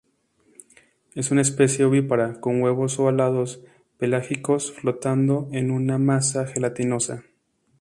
Es una especie ovípara, con huevos ovalados pelágicos flotando en una masa gelatinosa.